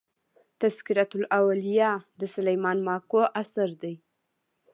"تذکرةالاولیا" د سلیمان ماکو اثر دﺉ.